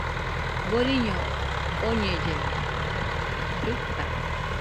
Boriño oñellena, llutaka